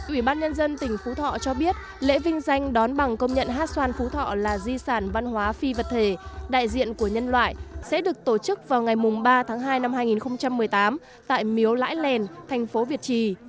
ủy ban nhân dân tỉnh phú thọ cho biết lễ vinh danh đón bằng công nhận hát xoan phú thọ là di sản văn hóa phi vật thể đại diện của nhân loại sẽ được tổ chức vào ngày ba tháng hai năm hai nghìn một mươi tám tại miếu lãi lèn thành phố việt trì